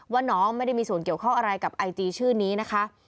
ว่าน้องไม่ได้มีส่วนเกี่ยวข้องอะไรกับไอจีชื่อนี้นะคะ